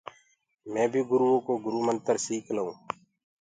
مي بي گُرو ڪو گُرو منتر سيک لنٚوٚ۔